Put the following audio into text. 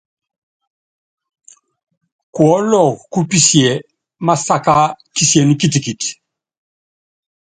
Kuɔ́lɔk kú pisiɛ másaká kisién kitikit.